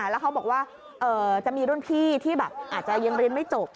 แล้วเขาบอกว่าจะมีรุ่นพี่ที่แบบอาจจะยังเรียนไม่จบ